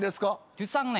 １３年。